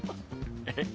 えっ？